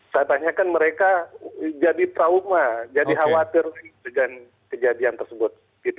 saya tanyakan mereka jadi trauma jadi khawatir dengan kejadian tersebut